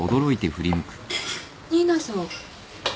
新名さん。